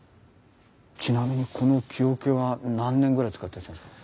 ちなみにこの木桶は何年ぐらい使ってらっしゃるんですか？